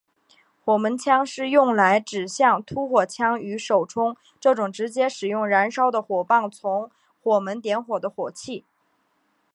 火门枪是用来指像突火枪与手铳这种直接使用燃烧的火棒从火门点火的火器。